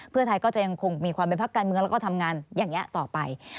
เพื่อไทยก็จะยังคงมีความเป็นพักการเมืองแล้วก็ทำงานอย่างนี้ต่อไป